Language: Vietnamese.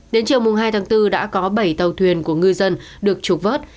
đến chiều hai tháng bốn đã có bảy tàu thuyền của ngư dân được trục vớt